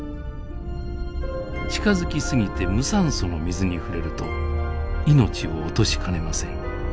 近づきすぎて無酸素の水に触れると命を落としかねません。